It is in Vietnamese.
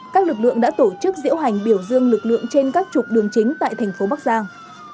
các lực lượng đã tổ chức diễu hành biểu dương lực lượng trên các trục đường chính tại thành phố bắc giang